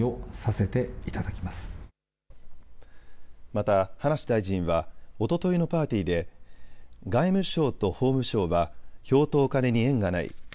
また葉梨大臣はおとといのパーティーで外務省と法務省は票とお金に縁がない。